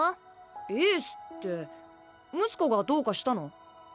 エースって睦子がどうかしたの？